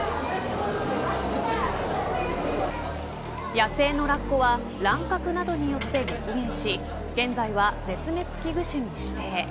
野生のラッコは乱獲などによって激減し現在は絶滅危惧種に指定。